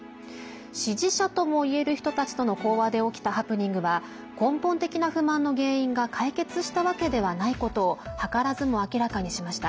支持者ともいえる人たちとの講話で起きたハプニングは根本的な不満の原因が解決したわけではないことを図らずも明らかにしました。